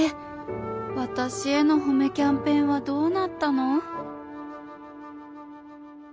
私への褒めキャンペーンはどうなったの？